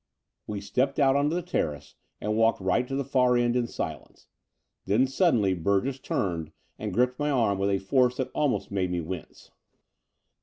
We stepped out on to the terrace and walked right to the far end in silence. Then suddenly Biurgess turned and gripped my arm with a force that almost made me wince.